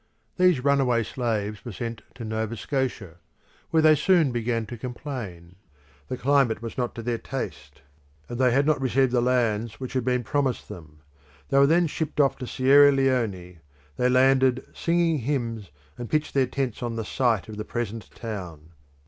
These runaway slaves were sent to Nova Scotia, where they soon began to complain; the climate was not to their taste, and they had not received the lands which had been promised them. They were then shipped off to Sierra Leone. They landed singing hymns, and pitched their tents on the site of the present town.